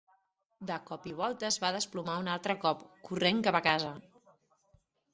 De cop i volta, es va desplomar un altre cop, corrent cap a casa.